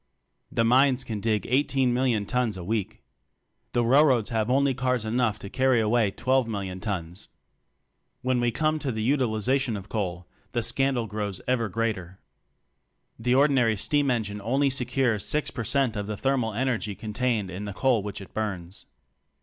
The mines can dig 18,000,000 tons a week. The railroads have only cars enough to carry away 12,000,000 tons. When we come to the utilization of coal, the scandal grows ever greater. The ordinary steam engine only secures 6 per cent of the thermal energy contained in the coal which it burns.